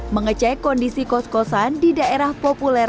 mengecek kondisi kos kosan di daerah populer